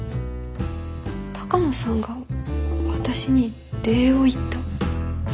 鷹野さんが私に礼を言った。